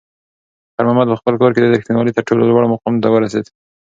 خیر محمد په خپل کار کې د رښتونولۍ تر ټولو لوړ مقام ته ورسېد.